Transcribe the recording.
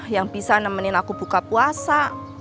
yang bisa nemenin aku buka puasa